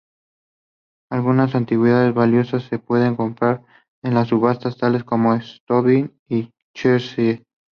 Algunas antigüedades valiosas se pueden comprar en las subastas, tales como Sotheby's o Christie's.